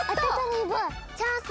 チャンス？